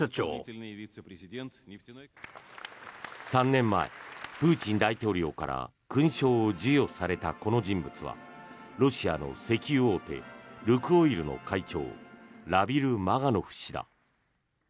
３年前、プーチン大統領から勲章を授与されたこの人物はロシアの石油大手ルクオイルの会長ラビル・マガノフ氏だ。